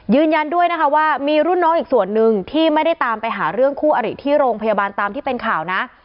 ยืนยันด้วยนะคะว่ามีรุ่นน้องอีกส่วนนึงที่ไม่ได้ตามไปหาเรื่องคู่อริที่โรงพยาบาลตามที่เป็นข่าวนะ